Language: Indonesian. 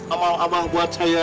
amal abah buat saya